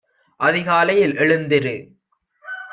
அதிகாலையில் எழுந்திரு.